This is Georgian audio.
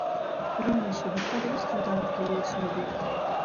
რომანში მოქმედების დრო და ადგილი უცნობია.